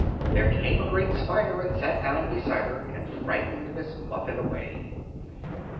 There came a great spider And sat down beside her And frightened Miss Muffet away.